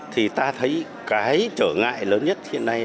thì ta thấy cái trở ngại lớn nhất hiện nay